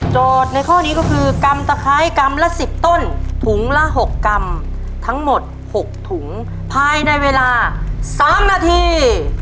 ในข้อนี้ก็คือกำตะไคร้กรัมละ๑๐ต้นถุงละ๖กรัมทั้งหมด๖ถุงภายในเวลา๓นาที